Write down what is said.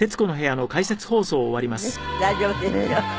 大丈夫ですよ。